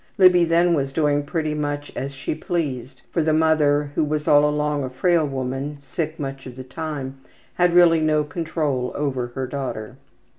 Libby then was doing pretty much as she pleased, for the mother, who was all along a frail woman, sick much of the time, had really no control over her daughter.